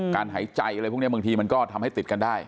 การหายใจอะไรพวกนี้มันก็ทำให้ติดกันได้